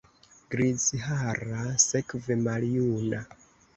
Grizhara, sekve maljuna!